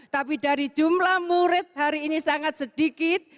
tapi dari jumlah murid hari ini sangat sedikit